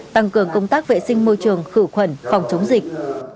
tăng cường công tác vệ sinh môi trường khử khuẩn phòng chống dịch